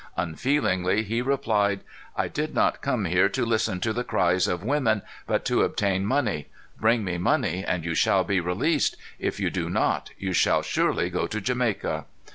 Unfeelingly he replied: "I did not come here to listen to the cries of women, but to obtain money. Bring me money, and you shall be released. If you do not, you shall surely go to Jamaica."